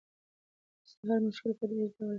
ستا هر مشکل به په تدریجي ډول حل شي.